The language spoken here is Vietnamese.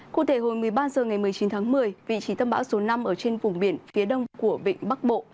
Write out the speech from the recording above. cụ thể hồi một mươi ba h ngày một mươi chín tháng một mươi vị trí tâm bão số năm ở trên vùng biển phía đông của vịnh bắc bộ